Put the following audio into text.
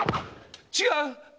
違う！